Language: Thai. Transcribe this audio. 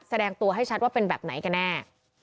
แสดงตัวให้ชัดว่าเป็นแบบไหนกันแน่